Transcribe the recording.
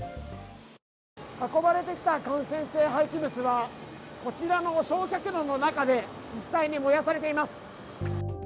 運ばれてきた感染性廃棄物はこちらの焼却炉の中で実際に燃やされています。